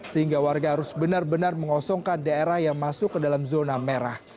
sehingga warga harus benar benar mengosongkan daerah yang masuk ke dalam zona merah